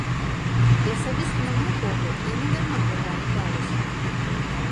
І асабіста на мой погляд, яны дарма прыбралі клавішы.